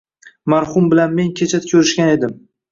Marhum bilan men kecha ko‘rishgan edim.